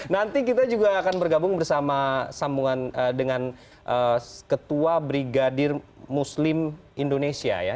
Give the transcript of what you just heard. nanti kita juga akan bergabung bersama sambungan dengan ketua brigadir muslim indonesia ya